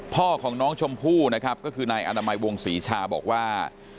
พ่อของน้องชมพู่นะครับก็คือนายอนามัยวงศรีชาบอกว่า